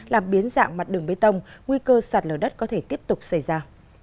làm biến dạng mặt đường bê tông nguy cơ sạt lở đất có thể tiếp tục xảy ra